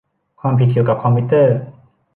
ความผิดเกี่ยวกับคอมพิวเตอร์